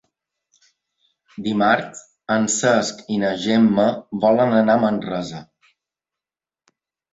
Dimarts en Cesc i na Gemma volen anar a Manresa.